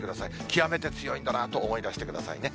極めて強いんだなと思い出してくださいね。